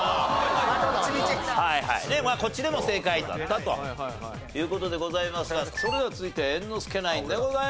まあこっちでも正解だったという事でございますがそれでは続いて猿之助ナインでございます。